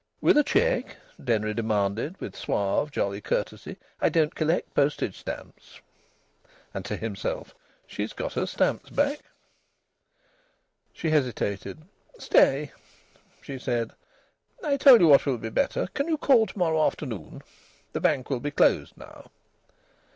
"With a cheque?" Denry demanded, with suave, jolly courtesy. "I don't collect postage stamps." (And to himself: "She's got her stamps back.") She hesitated. "Stay!" she said. "I'll tell you what will be better. Can you call to morrow afternoon? The bank will be closed now."